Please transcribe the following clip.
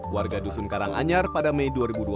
warga dusun karanganyar pada mei dua ribu dua puluh